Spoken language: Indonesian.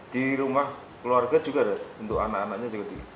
di rumah keluarga juga ada untuk anak anaknya juga tinggi